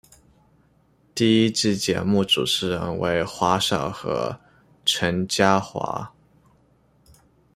第一季节目主持人为华少和陈嘉桦。